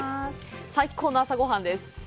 最高の朝ごはんです。